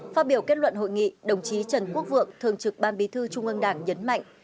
phát biểu kết luận hội nghị đồng chí trần quốc vượng thường trực ban bí thư trung ương đảng nhấn mạnh